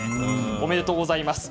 おめでとうございます。